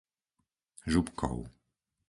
Župkov